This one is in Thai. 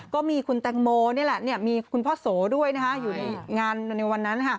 ก็มีคุณแตงโมนี่แหละมีคุณพ่อโสด้วยอยู่ในงานในวันนั้น